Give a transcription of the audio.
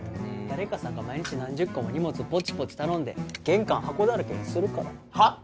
誰かさんが毎日何十個も荷物ポチポチ頼んで玄関箱だらけにするからはっ